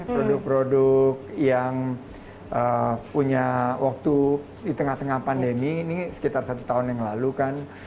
produk produk yang punya waktu di tengah tengah pandemi ini sekitar satu tahun yang lalu kan